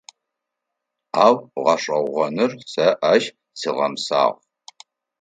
Ау, гъэшӏэгъоныр, сэ ащ сигъэмысагъ.